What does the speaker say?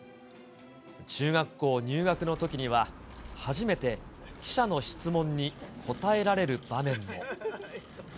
中学校入学のときには、初めて記者の質問に答えられる場面も。